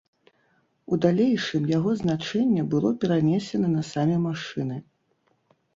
У далейшым яго значэнне было перанесена на самі машыны.